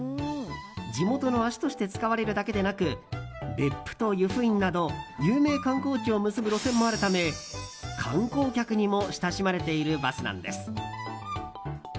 地元の足として使われるだけでなく別府と湯布院など有名観光地を結ぶ路線もあるため観光客にも親しまれているバスなんです。